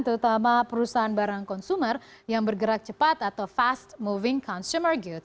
terutama perusahaan barang konsumer yang bergerak cepat atau fast moving consumer goods